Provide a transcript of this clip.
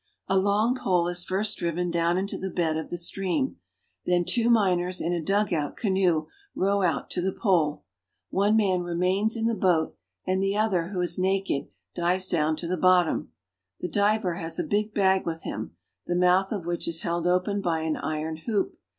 A long pole is first driven down into the bed of the stream. Then two miners in a dugout canoe row out to the pole. One man remains in the boat, and the other, who is naked, dives down to the bottom. The diver has a big bag with him, the mouth of which is held open by an iron hoop.